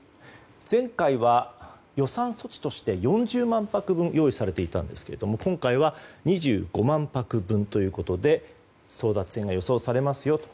前回は予算措置として４０万泊分用意されていたんですが今回は２５万泊分ということで争奪戦が予想されますよと。